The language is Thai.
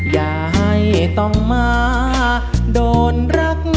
อย่าให้ต้องมาโดนรัก